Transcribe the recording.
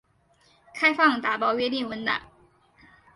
开放打包约定文档。